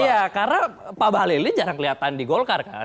iya karena pak bahlil ini jarang kelihatan di golkar kan